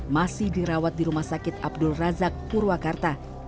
masih dirawat di rumah sakit abdul razak purwakarta